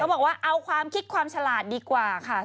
บอกว่าเอาความคิดความฉลาดดีกว่าค่ะ